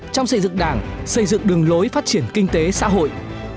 trong xây dựng đảng xây dựng đường lối phát triển kinh tế xã hội